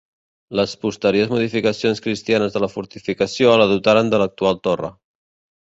Les posteriors modificacions cristianes de la fortificació la dotaren de l'actual torre.